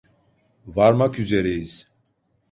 Varmak üzereyiz.